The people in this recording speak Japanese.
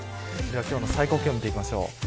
今日の最高気温見ていきましょう。